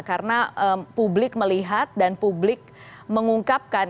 karena publik melihat dan publik mengungkapkan